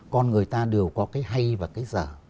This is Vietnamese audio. con người ta đều có cái hay và cái dở